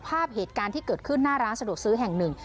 ภาพเหตุการณ์ที่เกิดขึ้นหน้าร้านสะดวกซื้อแห่งหนึ่ง